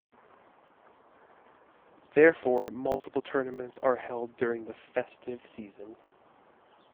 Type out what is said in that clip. Therefore, multiple tournaments are held during the festive season.